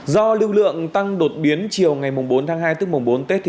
do lưu lượng tăng đột biến chiều ngày bốn tháng hai tức bốn tết